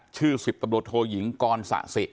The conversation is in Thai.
ชื่อ๑๐ตำรวจโทยิงกรสะสิ